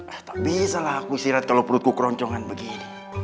ah tak bisalah aku istirahat kalau perutku keroncongan begini